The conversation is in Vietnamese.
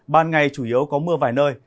ban ngày chủ yếu có mưa vài nơi